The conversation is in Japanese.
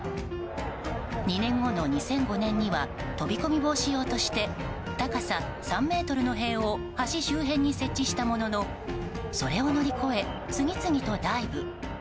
２年後の２００５年には飛び込み防止用として高さ３ｍの塀を橋周辺に設置したもののそれを乗り越え、次々とダイブ。